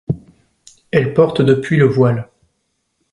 Elle porte depuis le voile.